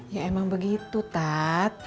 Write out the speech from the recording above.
ya emang begitu tat